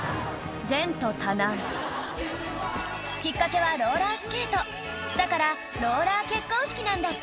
前途多難きっかけはローラースケートだからローラー結婚式なんだって